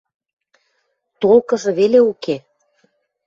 Толкыжы веле уке.